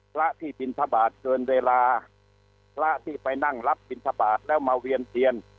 พระที่บินทบาทเกินเวลาพระที่ไปนั่งรับบินทบาทแล้วมาเวียนเทียน